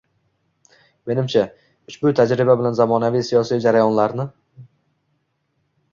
Menimcha, ushbu tajriba bilan zamonaviy siyosiy jarayonlarni